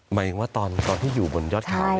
หมายถึงว่าตอนที่อยู่บนยอดเข่าเลยมั้ย